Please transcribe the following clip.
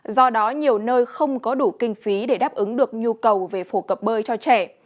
do đó nhiều nơi không có đủ kinh phí để đáp ứng được nhu cầu về phổ cập bơi cho trẻ